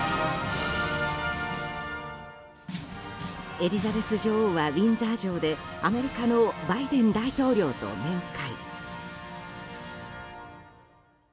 エリザベス女王はウィンザー城でアメリカのバイデン大統領と面会。